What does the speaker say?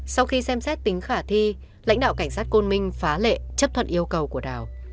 sau khi xem xét tính khả thi lãnh đạo cảnh sát côn minh phá lệ chấp thuận yêu cầu của đào